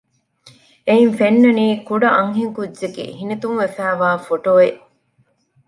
އެއިން ފެންނަނީ ކުޑަ އަންހެންކުއްޖެއްގެ ހިނިތުންވެފައިވާ ފޮޓޯއެއް